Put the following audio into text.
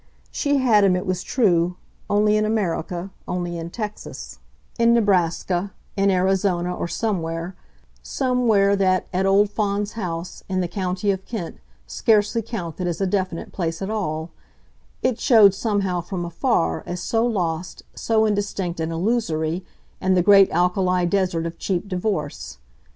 She had him, it was true, only in America, only in Texas, in Nebraska, in Arizona or somewhere somewhere that, at old Fawns House, in the county of Kent, scarcely counted as a definite place at all; it showed somehow, from afar, as so lost, so indistinct and illusory, in the great alkali desert of cheap Divorce.